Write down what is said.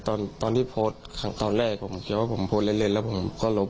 ตอนตอนที่โพสต์ขังตอนแรกผมเขียวว่าผมโพสต์เล่นเล่นแล้วผมก็ลบ